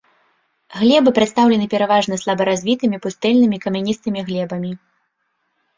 Глебы прадстаўлены, пераважна, слабаразвітымі пустэльнымі камяністымі глебамі.